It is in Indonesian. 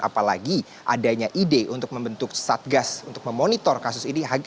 apalagi adanya ide untuk membentuk satgas untuk memonitor kasus ini